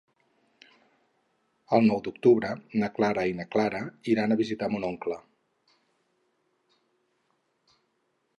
El nou d'octubre na Clara i na Carla iran a visitar mon oncle.